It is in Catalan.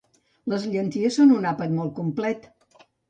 les llenties són un àpat molt complet